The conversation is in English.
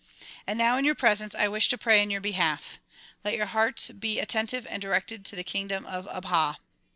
And now in your presence I wish to pray in your behalf. Let your hearts be at tentive and directed to the kingdom of Abha.